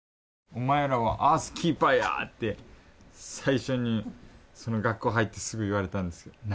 「お前らはアースキーパーや」って最初に学校に入ってすぐ言われたんですよ。